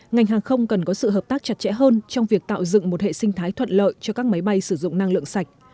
ngành hàng không cần có sự hợp tác chặt chẽ hơn trong việc tạo dựng một hệ sinh thái thuận lợi cho các máy bay sử dụng năng lượng sạch